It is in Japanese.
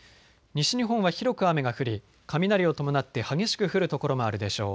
西日本は広く雨が降り雷を伴って激しく降る所もあるでしょう。